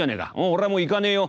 俺はもう行かねえよ」。